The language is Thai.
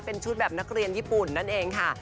เป็นชุดแบบนักเรียนญี่ปุ่นนั่นเองค่ะ